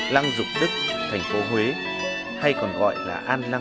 lăng dụng đức thành phố huế hay còn gọi là an lăng